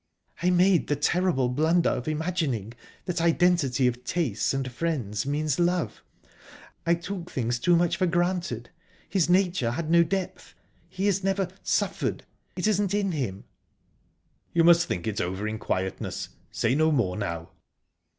"I made the terrible blunder of imagining that identity of tastes and friends means love. I took things too much for granted...His nature had no depth...He has never suffered. It isn't in him." "You must think it over in quietness. Say no more now."